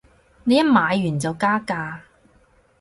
你一買完就加價